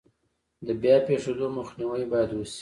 د بیا پیښیدو مخنیوی باید وشي.